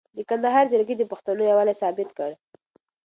د کندهار جرګې د پښتنو یووالی ثابت کړ.